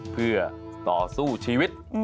เพื่อต่อสู้ชีวิต